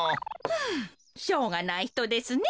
ふうしょうがないひとですね。